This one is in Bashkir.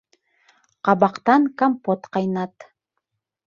Ҡабаҡтан компот ҡайнат